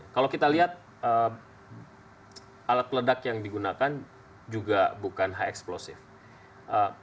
kalau kita lihat alat peledak yang digunakan juga bukan hxplosive